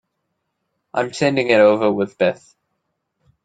I'm sending it over with Beth.